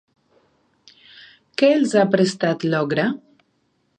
Què els ha prestat l'Orga?